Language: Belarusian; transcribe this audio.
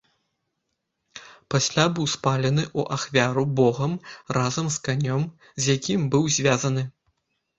Пасля быў спалены ў ахвяру богам разам з канем, з якім быў звязаны.